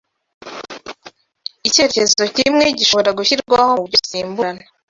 icyerekezo kimwe gishobora gushyirwaho mu buryo busimburana